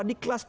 di kelas tiga